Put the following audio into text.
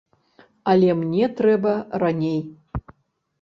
Але мне трэба раней.